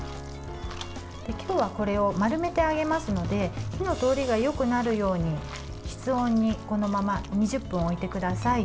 今日はこれを丸めて揚げますので火の通りがよくなるように室温にこのまま２０分置いてください。